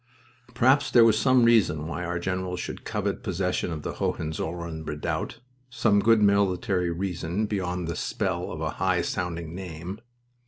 Perhaps there was some reason why our generals should covet possession of the Hohenzollern redoubt, some good military reason beyond the spell of a high sounding name.